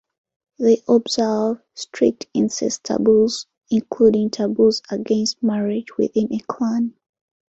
They observe strict incest taboos, including taboos against marriage within a clan.